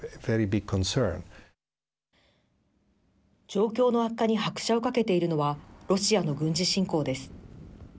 状況の悪化に拍車をかけているのはロシアの軍事侵攻です。